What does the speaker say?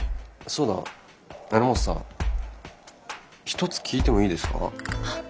そうだ榎本さん一つ聞いてもいいですか？